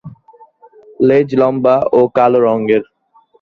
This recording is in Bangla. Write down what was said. লেজ লম্বা ও কালো রঙের।